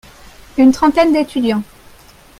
Une trentaine d'étudiants.